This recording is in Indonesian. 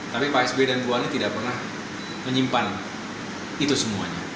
tapi pak sby dan bu ani tidak pernah menyimpan itu semuanya